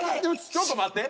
ちょっと待って。